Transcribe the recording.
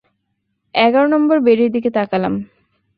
এগার নম্বর বেডের দিকে তাকলাম।